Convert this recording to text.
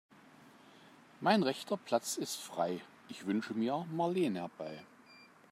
Mein rechter Platz ist frei, ich wünsche mir Marleen herbei.